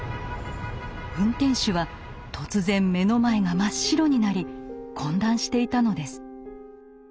運転手は突然目の前が真っ白になり混乱していたのです。